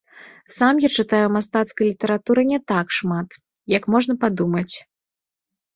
Сам я чытаю мастацкай літаратуры не так шмат, як можна падумаць.